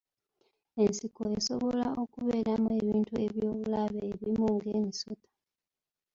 Ensiko esobola okubeeramu ebintu eby'obulabe ebimu ng'emisota.